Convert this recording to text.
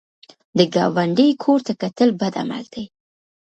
د ګاونډي کور ته کتل بد عمل دی